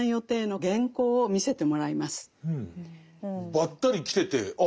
ばったり来ててああ